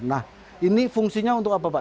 nah ini fungsinya untuk apa pak